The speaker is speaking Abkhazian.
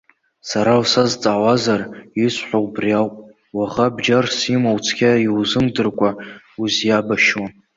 Сара усазҵаауазар, исҳәо убриоуп, уаӷа бџьарс имоу цқьа иузымдыркәа узиабашьуам.